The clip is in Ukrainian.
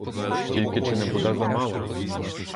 Тільки чи не буде замало?